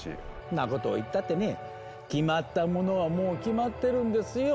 んなこと言ったってね決まったものはもう決まってるんですよ！